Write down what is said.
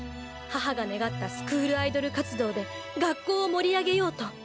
⁉母が願ったスクールアイドル活動で学校を盛り上げようと。